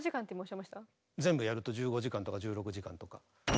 全部やると１５時間とか１６時間とか。